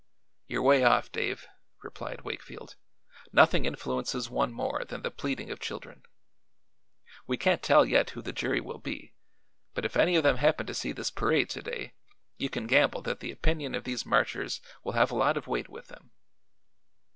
"You're 'way off, Dave," replied Wakefield. "Nothing influences one more than the pleading of children. We can't tell yet who the jury will be, but if any of them happen to see this parade to day you can gamble that the opinion of these marchers will have a lot of weight with them."